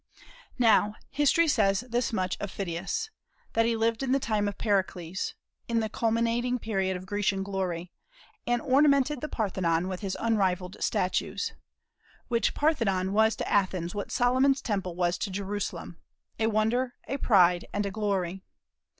Now, history says this much of Phidias: that he lived in the time of Pericles, in the culminating period of Grecian glory, and ornamented the Parthenon with his unrivalled statues; which Parthenon was to Athens what Solomon's Temple was to Jerusalem, a wonder, a pride, and a glory.